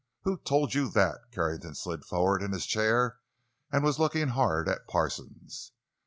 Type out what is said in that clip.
"Who told you that?" Carrington slid forward in his chair and was looking hard at Parsons.